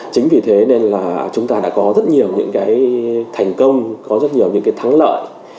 chính vì thế nên là chúng ta đã có rất nhiều những cái thành công có rất nhiều những cái thắng lợi